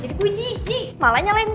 gini kok rame banget